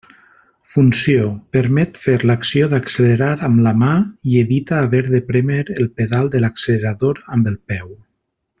Funció: permet fer l'acció d'accelerar amb la mà i evita haver de prémer el pedal de l'accelerador amb el peu.